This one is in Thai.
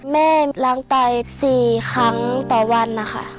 แม่ล้างไต๔ครั้งต่อวันนะคะ